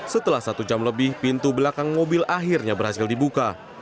setelah satu jam lebih pintu belakang mobil akhirnya berhasil dibuka